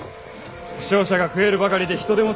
負傷者が増えるばかりで人手も足りぬのだ。